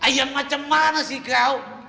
ayam macam mana sih kau